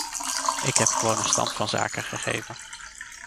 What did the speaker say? Ik heb gewoon een stand van zaken gegeven.